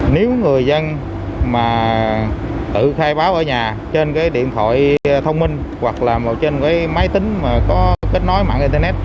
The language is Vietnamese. nếu người dân mà tự khai báo ở nhà trên cái điện thoại thông minh hoặc là trên cái máy tính mà có kết nối mạng internet